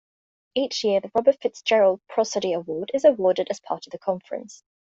Each year the Robert Fitzgerald Prosody Award is awarded as part of the conference.